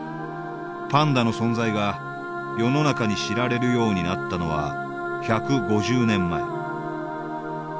パンダの存在が世の中に知られるようになったのは１５０年前。